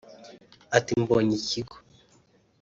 Ati “Mbonye ikigo